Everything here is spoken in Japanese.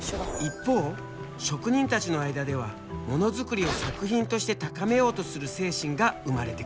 一方職人たちの間ではもの作りを作品として高めようとする精神が生まれてくる。